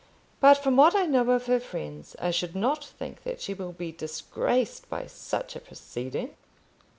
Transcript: But from what I know of her friends, I should not think that she will be disgraced by such a proceeding."